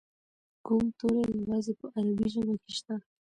کوم توري یوازې په عربي ژبه کې شته؟